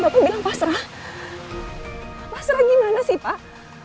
bapak bilang pasrah pasrah gimana sih pak